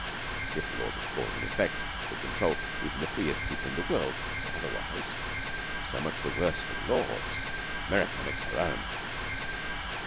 If the laws of cause and effect that control even the freest people in the world say otherwise, so much the worse for the laws. America makes her own.